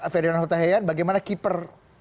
ferdinand huta heyan bagaimana keeper